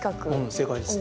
正解です。